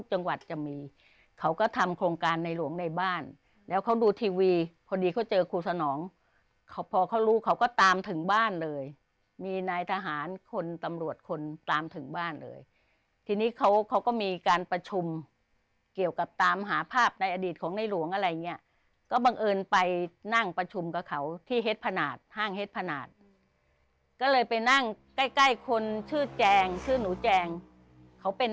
จังหวัดจะมีเขาก็ทำโครงการในหลวงในบ้านแล้วเขาดูทีวีพอดีเขาเจอครูสนองเขาพอเขารู้เขาก็ตามถึงบ้านเลยมีนายทหารคนตำรวจคนตามถึงบ้านเลยทีนี้เขาเขาก็มีการประชุมเกี่ยวกับตามหาภาพในอดีตของในหลวงอะไรอย่างเงี้ยก็บังเอิญไปนั่งประชุมกับเขาที่เฮ็ดพนาดห้างเฮ็ดพนาดก็เลยไปนั่งใกล้ใกล้คนชื่อแจงชื่อหนูแจงเขาเป็น